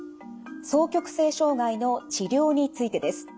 双極性障害の治療についてです。